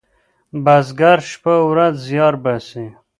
بزگر شپه او ورځ زیار باسي.